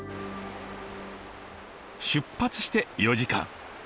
出発して４時間。